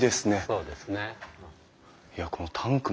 そうですね。